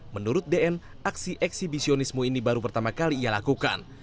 menurut dn aksi eksibisionisme ini baru pertama kali ia lakukan